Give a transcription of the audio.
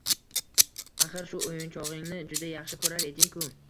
Axir, shu o`yinchog`ingni juda yaxshi ko`rar eding-ku